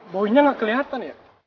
boy nya gak kelihatan ya